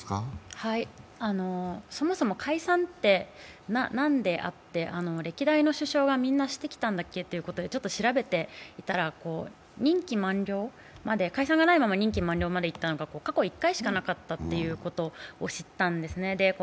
そもそも解散って何であって、歴代の首相がみんなしてきたんだっけということでちょっと調べていたら、解散がないまま任期満了までいったのが、過去１回しかなかったということを知ったんですね。